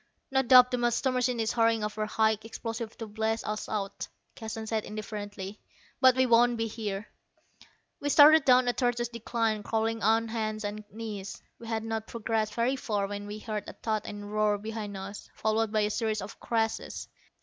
"No doubt the master machine is hurrying over high explosives to blast us out," Keston said indifferently; "but we won't be here." We started down a tortuous decline, crawling on hands and knees. We had not progressed very far when we heard a thud and a roar behind us, followed by a series of crashes.